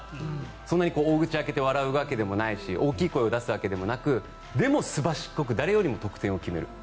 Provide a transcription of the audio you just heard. そんなに大口開けて笑うわけでもないし大きい声を出すわけでもなくでも、すばしっこく誰よりも得点を決める。